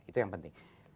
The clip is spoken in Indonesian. itu yang penting